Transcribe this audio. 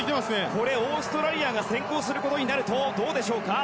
これ、オーストラリアが先行することになるとどうでしょうか。